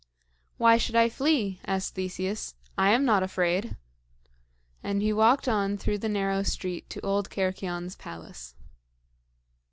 "Why should I flee?" asked Theseus. "I am not afraid;" and he walked on through the narrow street to old Cercyon's palace.